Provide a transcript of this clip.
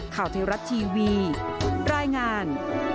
ข่าวเทวรัตน์ทีวีรายงาน